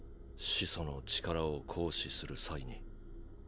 始祖の力を行使する際に。